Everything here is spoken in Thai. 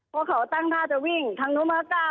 พอเขาตั้งท่าจะวิ่งทางนู้นมาก้า